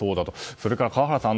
それから川原さん